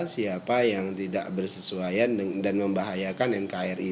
siapa yang tidak bersesuaian dan membahayakan nkri